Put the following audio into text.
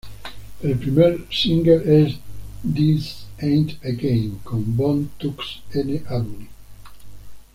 El primer single es "This Ain't a Game" con Bone Thugs-N-Harmony.